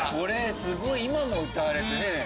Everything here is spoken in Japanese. すごい今も歌われてね。